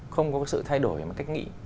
không có sự thay đổi về cách nghĩ